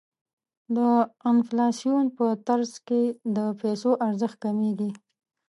د انفلاسیون په ترڅ کې د پیسو ارزښت کمیږي.